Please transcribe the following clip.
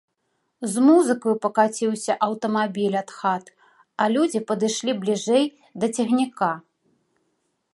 З музыкаю пакаціўся аўтамабіль ад хат, а людзі падышлі бліжэй да цягніка.